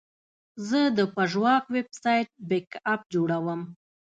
زه د پژواک ویب سایټ بیک اپ جوړوم.